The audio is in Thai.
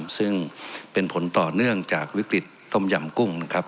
ซึ่งเป็นผลต่อเนื่องจากวิกฤตต้มยำกุ้งนะครับ